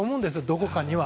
どこかには。